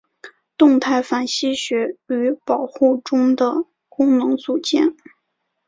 动态反吸血驴保护中的功能组件。